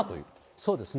そうですね。